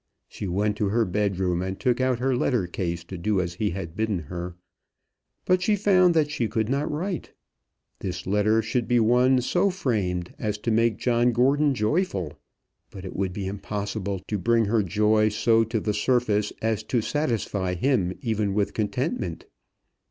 She went to her bedroom and took out her letter case to do as he had bidden her; but she found that she could not write. This letter should be one so framed as to make John Gordon joyful; but it would be impossible to bring her joy so to the surface as to satisfy him even with contentment.